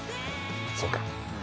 そうか。